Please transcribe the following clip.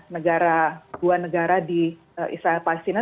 negara dua negara di israel palestina